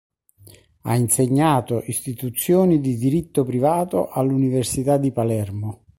Ha insegnato Istituzioni di Diritto Privato all'Università di Palermo.